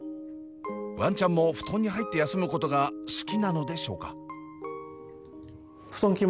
ワンちゃんも布団に入って休むことが好きなのでしょうか？